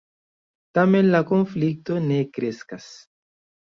Tamen la konflikto ne kreskas.